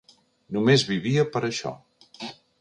Només vivia per això.